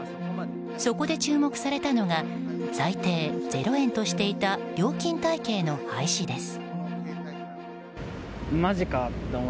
そこで注目されたのが最低０円としていた料金体系の廃止です。